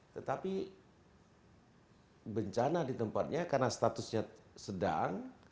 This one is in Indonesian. tetapi bencana di tempatnya karena statusnya sedang